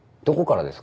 どこから？